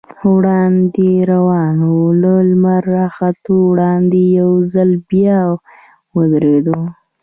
وړاندې روان و، له لمر راختو وړاندې یو ځل بیا ودرېدو.